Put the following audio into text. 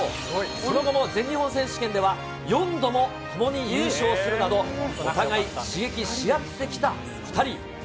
その後も全日本選手権では、４度も共に優勝するなど、お互い、刺激し合ってきた２人。